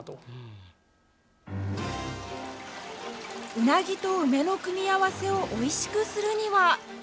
うなぎと梅の組み合わせをおいしくするには。